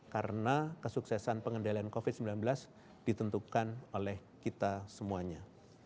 karena kesuksesan pengendalian covid sembilan belas ditentukan oleh kita semuanya